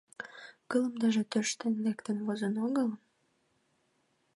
Кылымдыже тӧрштен лектын возын огыл?